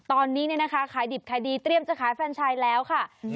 ตอนนี้เนี่ยนะคะขายดิบขายดีเตรียมจะขายแฟนชายแล้วค่ะ